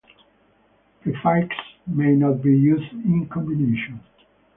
Prefixes may not be used in combination.